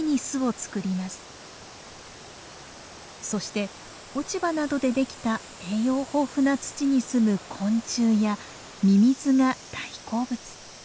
そして落ち葉などでできた栄養豊富な土にすむ昆虫やミミズが大好物。